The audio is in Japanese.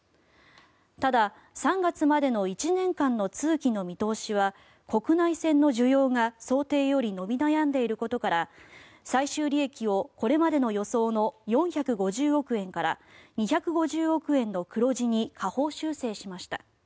ただ、３月までの１年間の通期の見通しは国内線の需要が想定より伸び悩んでいることから最終利益をこれまでの予想の４５０億円から２５０億円の黒字に下方修正しました。